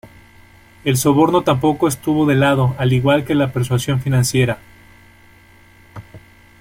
El soborno tampoco estuvo de lado, al igual que la persuasión financiera.